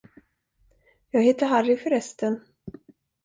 Jag heter Harry, förresten.